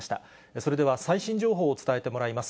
それでは、最新情報を伝えてもらいます。